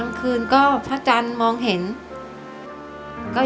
ทั้งในเรื่องของการทำงานเคยทำนานแล้วเกิดปัญหาน้อย